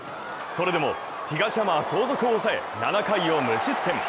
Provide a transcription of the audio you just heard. それでも東浜は後続を抑え、７回を無失点。